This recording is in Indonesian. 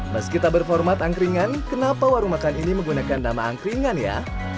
meski tak berformat angkringan kenapa warung makan ini menggunakan nama angkringan ya